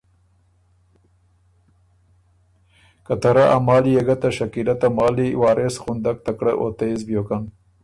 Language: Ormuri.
که ته رۀ ا مالی يې ګۀ ته شکیلۀ ته مالی وارث غُندک تکړۀ او تېز بیوکن